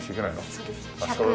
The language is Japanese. そうです。